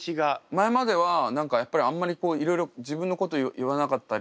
前までは何かやっぱりあんまりいろいろ自分のこと言わなかったり。